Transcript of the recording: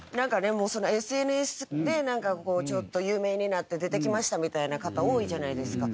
もうＳＮＳでちょっと有名になって出てきましたみたいな方多いじゃないですか。